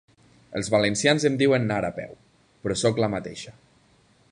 Els valencians em diuen Nara Peu, però soc la mateixa.